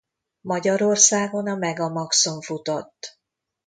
Magyarországon a Megamaxon futott.